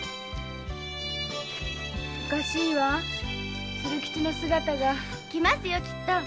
おかしいわ鶴吉の姿が。来ますよきっと。